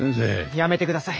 やめてください。